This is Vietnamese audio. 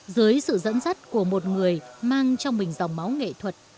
dưới sự dẫn dắt của một người mang trong mình dòng máu nghệ thuật